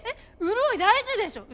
潤い大事でしょ。